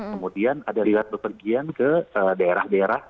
kemudian ada rilat berpergian ke daerah daerah